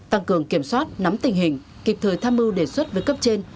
tăng cường kiểm soát nắm tình hình kịp thời tham mưu đề xuất với cấp trên